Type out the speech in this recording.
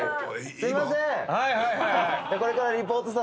すいません。